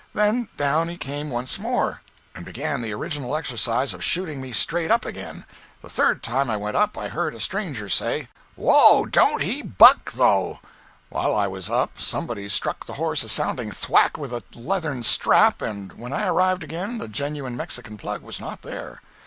And then down he came once more, and began the original exercise of shooting me straight up again. The third time I went up I heard a stranger say: 180.jpg (50K) "Oh, don't he buck, though!" While I was up, somebody struck the horse a sounding thwack with a leathern strap, and when I arrived again the Genuine Mexican Plug was not there.